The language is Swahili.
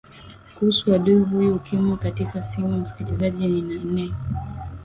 kuhusu adui huyu ukimwi katika simu msikilizaji nina ne